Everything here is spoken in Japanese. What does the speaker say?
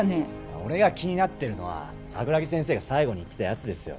俺が気になってるのは桜木先生が最後に言ってたやつですよ